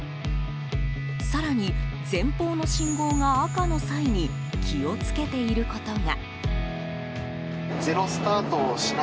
更に、前方の信号が赤の際に気を付けていることが。